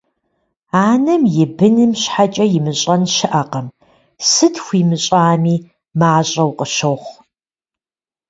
Анэм и быным щхьэкӀэ имыщӀэн щыӀэкъым, сыт хуимыщӀами, мащӀэу къыщохъу.